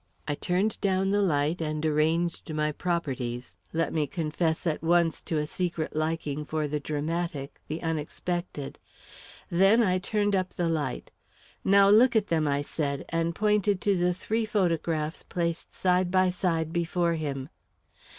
I turned down the light and arranged my properties let me confess at once to a secret liking for the dramatic the unexpected. Then I turned up the light. "Now look at them," I said, and pointed to the three photographs placed side by side before him.